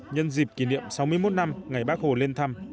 nhân dịp kỷ niệm sáu mươi một năm ngày bác hồ lên thăm